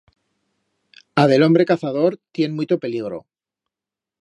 A de l'hombre cazador tien muito peligro.